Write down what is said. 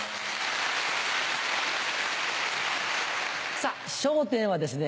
さぁ『笑点』はですね